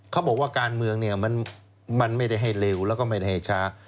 เขาบอกว่าการเมืองเนี่ยมันไม่ได้ให้เร็วแล้วก็ไม่ได้ให้ช้า